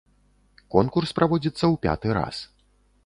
Конкурс праводзіцца ў пяты раз.